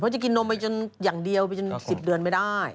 เบรบีคือกินนมไปจนอย่างเดียวไปจนสิบเดือนไม่ได้